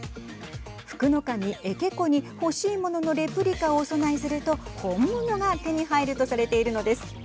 福の神エケコに欲しい物のレプリカをお供えすると本物が手に入るとされているのです。